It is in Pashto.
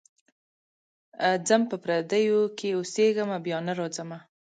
ځم په پردیو کي اوسېږمه بیا نه راځمه.